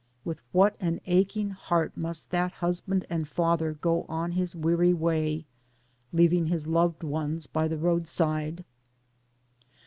With what an aching heart must that husband and father go on his weary way, leaving his loved ones by the roadside.